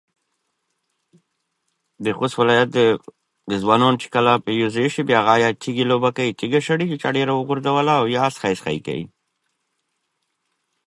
اړتیا یې نشته، ته کولای شې دی په جبهه کې وآزموېې.